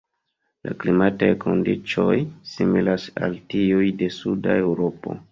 La klimataj kondiĉoj similas al tiuj de suda Eŭropo.